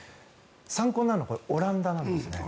参考になるのはオランダなんです。